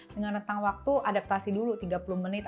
dengan tentang waktu adaptasi dulu tiga puluh menit